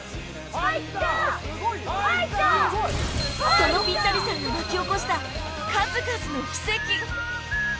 そのピッタリさんが巻き起こした数々の奇跡